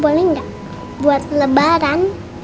boleh enggak buat lebaran